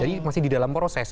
jadi masih di dalam proses